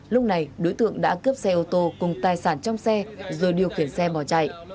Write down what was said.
lúc này đối tượng đã cướp xe ô tô cùng tài sản trong xe rồi điều khiển xe bỏ chạy